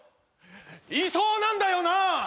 いそうなんだよな？